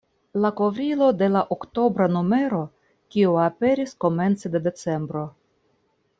La kovrilo de la oktobra numero, kiu aperis komence de decembro.